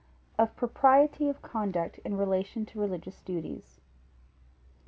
_Of propriety of conduct in relation to religious duties.